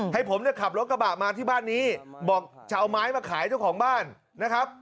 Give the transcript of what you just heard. ให้ผมเนี่ยขับรถกระบะมาที่บ้านนี้บอกจะเอาไม้มาขายเจ้าของบ้านนะครับ